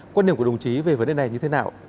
quan điểm của đồng chí về vấn đề này như thế nào